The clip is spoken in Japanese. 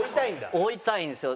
追いたいんですよ。